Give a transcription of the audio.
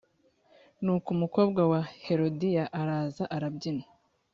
nuko umukobwa wa herodiya araza arabyina.